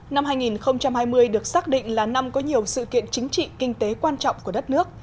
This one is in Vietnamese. năm hai nghìn hai mươi được xác định là năm có nhiều sự kiện chính trị kinh tế quan trọng của đất nước